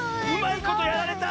いことやられた！